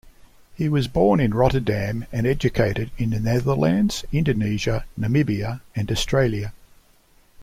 He was born in Rotterdam, and educated in the Netherlands, Indonesia, Namibia and Australia.